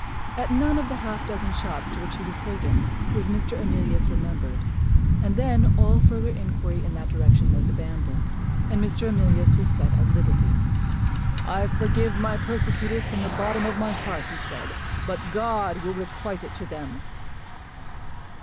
At none of the half dozen shops to which he was taken was Mr. Emilius remembered; and then all further inquiry in that direction was abandoned, and Mr. Emilius was set at liberty. "I forgive my persecutors from the bottom of my heart," he said, "but God will requite it to them."